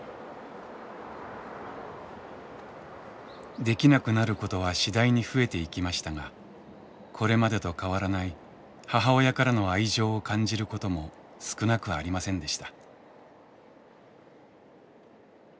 できなくなることは次第に増えていきましたがこれまでと変わらない母親からの愛情を感じることも少なくありませんでした。